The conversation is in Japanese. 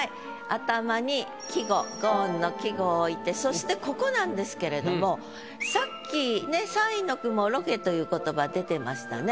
頭に季語５音の季語を置いてそしてここなんですけれどもさっきねっ３位の句も「ロケ」という言葉出てましたね。